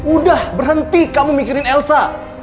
udah berhenti kamu mikirin elsa